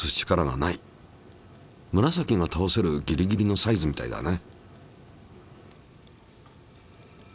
むらさきがたおせるギリギリのサイズみたいだね。